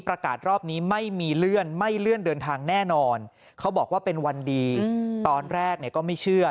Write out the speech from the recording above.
รอบนี้ไม่มีเลื่อนไม่เลื่อนเดินทางแน่นอนเขาบอกว่าเป็นวันดีตอนแรกเนี่ยก็ไม่เชื่อ